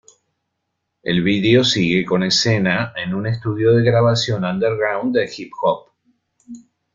El vídeo sigue con escena en un estudio de grabación underground de hip-hop.